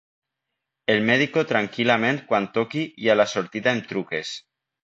El medico tranquil·lament quan toqui i a la sortida em truques.